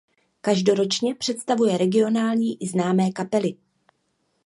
Každoročně představuje regionální i známé kapely.